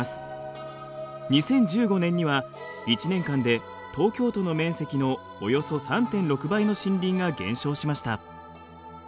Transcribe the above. ２０１５年には１年間で東京都の面積のおよそ３．６倍の森林が減少しました。